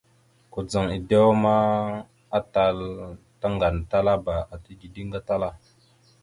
Kudzaŋ edewa ma, atal tàŋganatalaba ata dideŋ gatala.